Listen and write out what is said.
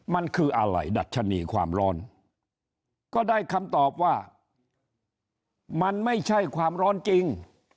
มันคืออะไรดัชนีความร้อนก็ได้คำตอบว่ามันไม่ใช่ความร้อนจริง